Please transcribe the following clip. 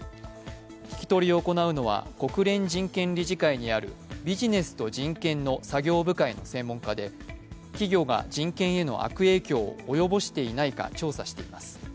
聞き取りを行うのは、国連人権理事会にある、ビジネスと人権の作業部会の専門家で企業が人権への悪影響を及ぼしていないか調査しています。